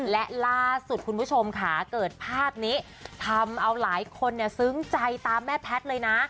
และล่าสุดคุณผู้ชมค่ะเกิดภาพนี้ทำเอาหลายคนซึ้งใจตามแม่แพทย์เลยนะ